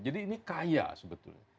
jadi ini kaya sebetulnya